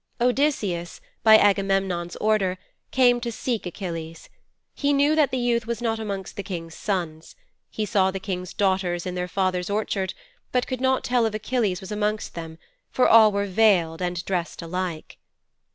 'Odysseus, by Agamemnon's order, came to seek Achilles. He knew that the youth was not amongst the King's sons. He saw the King's daughters in their father's orchard, but could not tell if Achilles was amongst them, for all were veiled and dressed alike.